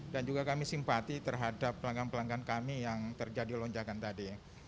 dan juga kami simpati terhadap pelanggan pelanggan kami yang terjadi lonjakan tadi